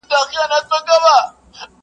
چي پر ما باندي یې سیوری کله لویږي،